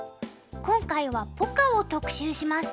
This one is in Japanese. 今回はポカを特集します。